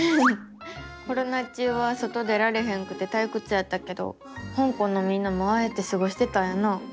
コロナ中は外出られへんくてたいくつやったけど香港のみんなもああやってすごしてたんやな。